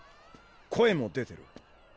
声も出てる。